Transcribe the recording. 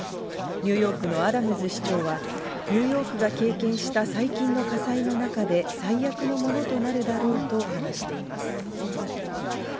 ニューヨークのアダムズ市長はニューヨークが経験した最近の火災の中で最悪のものとなるだろうと話しています。